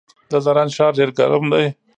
د زرنج ښار ډیر ګرم دی